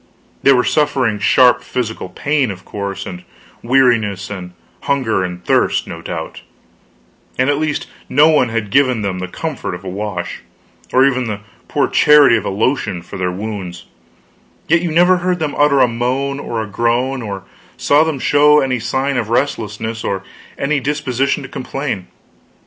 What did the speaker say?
They were suffering sharp physical pain, of course; and weariness, and hunger and thirst, no doubt; and at least none had given them the comfort of a wash, or even the poor charity of a lotion for their wounds; yet you never heard them utter a moan or a groan, or saw them show any sign of restlessness, or any disposition to complain.